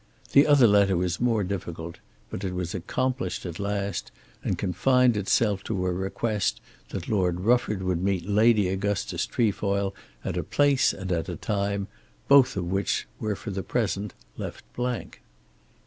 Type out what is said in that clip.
The other letter was more difficult, but it was accomplished at last, and confined itself to a request that Lord Rufford would meet Lady Augustus Trefoil at a place and at a time, both of which were for the present left blank.